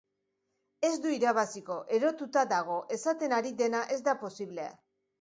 Ez du irabaziko, erotuta dago, esaten ari dena ez da posible.